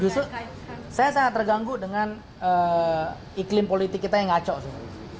justru saya sangat terganggu dengan iklim politik kita yang ngaco sebenarnya